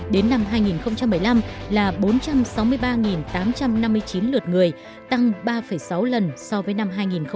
đến năm hai nghìn một mươi năm là bốn trăm sáu mươi ba tám trăm năm mươi chín lượt người tăng ba sáu lần so với năm hai nghìn một mươi bảy